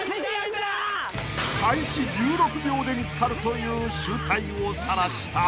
［開始１６秒で見つかるという醜態をさらした］